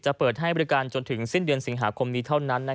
เปิดให้บริการจนถึงสิ้นเดือนสิงหาคมนี้เท่านั้น